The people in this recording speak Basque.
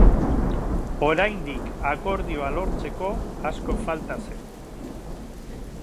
Oraindik akordioa lortzeko asko falta zen.